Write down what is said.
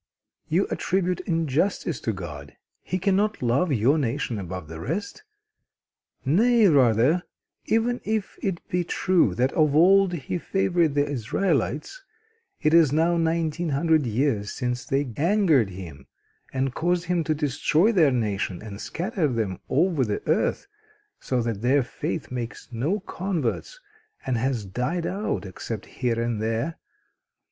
"You attribute injustice to God. He cannot love your nation above the rest. Nay rather, even if it be true that of old He favored the Israelites, it is now nineteen hundred years since they angered Him, and caused Him to destroy their nation and scatter them over the earth, so that their faith makes no converts and has died out except here and there.